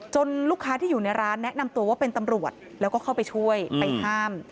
ลูกค้าที่อยู่ในร้านแนะนำตัวว่าเป็นตำรวจแล้วก็เข้าไปช่วยไปห้าม